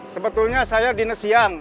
sebetulnya saya dine siang